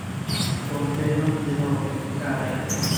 Bonvenon denove, karaj.